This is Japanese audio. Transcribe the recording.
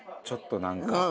ちょっとなんか。